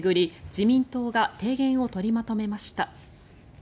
自民党が提言を取りまとめました。